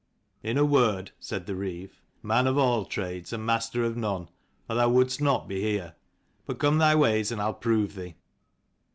"In a word," said the Reeve, "man of all trades and master of none, or thou would'st not be here. But come thy ways, and I'll prove thee."